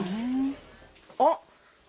あっ。